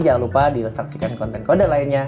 jangan lupa di saksikan konten kode lainnya